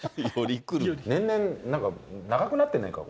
年々、なんか長くなってないか？